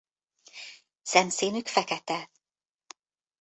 Szemszínük fekete.